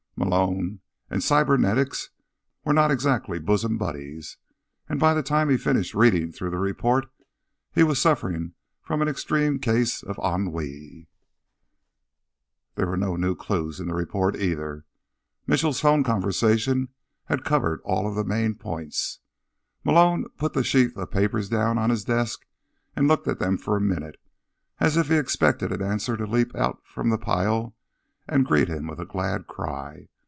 Malone and cybernetics were not exactly bosom buddies, and by the time he finished reading through the report he was suffering from an extreme case of ennui. There were no new clues in the report, either; Mitchell's phone conversation had covered all of the main points. Malone put the sheaf of papers down on his desk and looked at them for a minute as if he expected an answer to leap out from the pile and greet him with a glad cry.